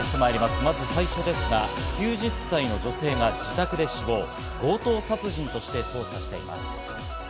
まず最初ですが、９０歳の女性が自宅で死亡、強盗殺人として捜査しています。